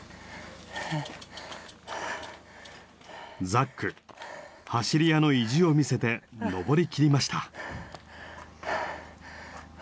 ザック走り屋の意地を見せて上りきりました。